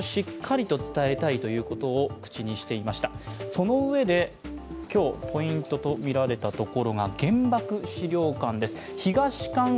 そのうえで、今日ポイントと見られたところが原爆資料館です。